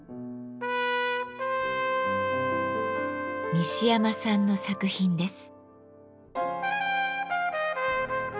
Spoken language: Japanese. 西山さんの作品です。